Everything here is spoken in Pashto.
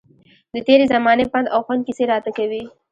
د تېرې زمانې پند او خوند کیسې راته کوي.